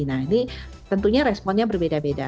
nah ini tentunya responnya berbeda beda